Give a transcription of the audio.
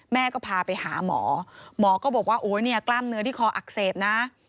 แม่ก็พาไปหาหมอหมอก็บอกว่าโอ๊ยเนี่ยกล้ามเนื้อที่คออักเสบนะ